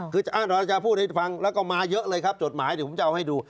คือเราจะพูดให้ฟังแล้วก็มาเยอะเลยครับจดหมายเดี๋ยวผมจะเอาให้ดู